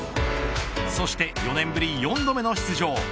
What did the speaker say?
そして４年ぶり４度目の出場